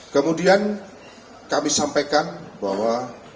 kemudian kami sampaikan bahwa